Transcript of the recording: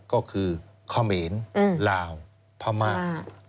ก็คือคอมเมนลาวพม่า